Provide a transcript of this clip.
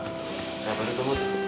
siapa itu mut